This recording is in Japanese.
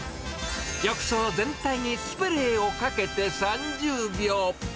浴槽全体にスプレーをかけて３０秒。